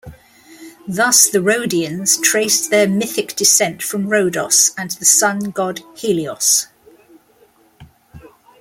Thus the Rhodians traced their mythic descent from Rhodos and the Sun god Helios.